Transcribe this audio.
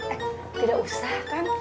eh tidak usah kan